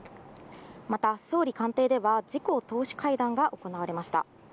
また総理官邸では自公党首会談が行われました。